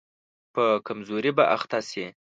په کمزوري به اخته شي.